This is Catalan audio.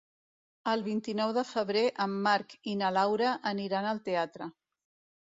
El vint-i-nou de febrer en Marc i na Laura aniran al teatre.